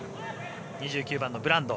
２９番のブランド。